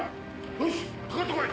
よしかかってこい！